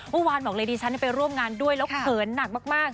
เมื่อวานบอกเลยดิฉันไปร่วมงานด้วยแล้วเขินหนักมาก